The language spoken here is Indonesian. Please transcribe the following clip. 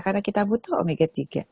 karena kita butuh omega tiga